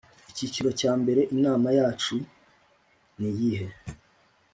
Icyiciro cya mbere Inama ya cu niyihe